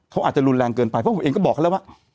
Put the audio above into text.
เขาอาจจะรุนแรงเกินไปเพราะผมเองก็บอกเขาแล้วว่า